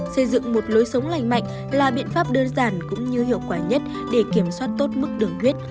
xây dựng một lối sống lành mạnh là biện pháp đơn giản cũng như hiệu quả nhất để kiểm soát tốt mức đường huyết